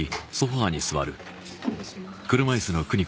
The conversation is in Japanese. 失礼します